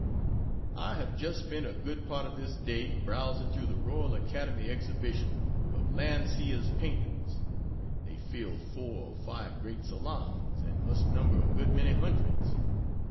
I have just spent a good part of this day browsing through the Royal Academy Exhibition of Landseer's paintings. They fill four or five great salons, and must number a good many hundreds.